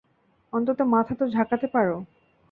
অন্তত মাথা তো ঝাঁকাতে পারো।